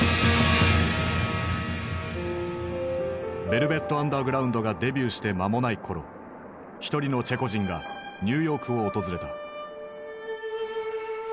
ヴェルヴェット・アンダーグラウンドがデビューして間もない頃一人のチェコ人がニューヨークを訪れた。